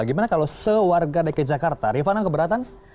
gimana kalau sewarga dki jakarta rifana keberatan